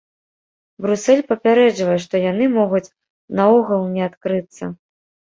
Брусэль папярэджвае, што яны могуць наогул не адкрыцца.